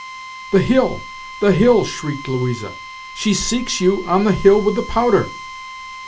"The hill! the hill!" shrieked Louisa; "she seeks you on the hill with the powder!"